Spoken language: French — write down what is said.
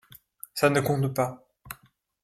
Ça ne compte pas.